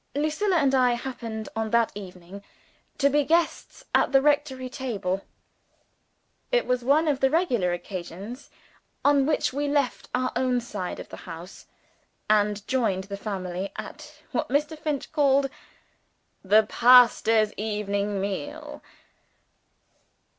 Lucilla and I happened, on that evening, to be guests at the rectory table. It was one of the regular occasions on which we left our own side of the house, and joined the family at (what Mr. Finch called) "the pastor's evening meal."